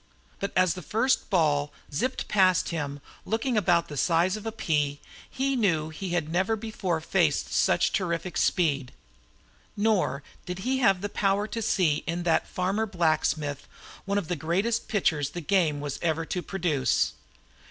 But as the first ball zipped past him, looking about the size of a pea, he knew he had never before faced such terrific speed. Nor did he have power to see in that farmer blacksmith one of the greatest pitchers the game was ever to produce.